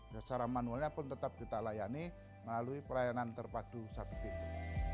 ya secara manualnya pun tetap kita layani melalui pelayanan terpadu satu pintu